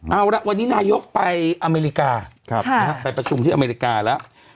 เอาละวันนี้นายกไปอเมริกาไปประชุมที่อเมริกาแล้ว